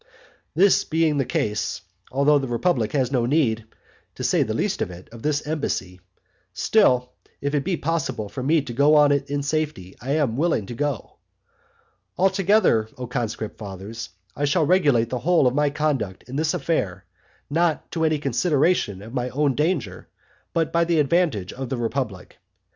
This being the case, although the republic has no need (to say the least of it) of this embassy, still if it be possible for me to go on it in safety, I am willing to go. Altogether, O conscript fathers, I shall regulate the whole of my conduct in this affair, not by any consideration of my own danger, but by the advantage of the republic.